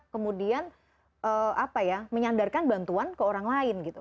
kemudian apa ya menyandarkan bantuan ke orang lain gitu